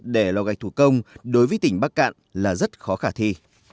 để lò gạch thủ công đối với tỉnh bắc cạn là rất khó khả thi